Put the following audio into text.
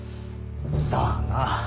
さあな。